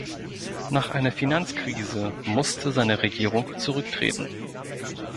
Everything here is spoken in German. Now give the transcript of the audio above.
Nach einer Finanzkrise musste seine Regierung zurücktreten.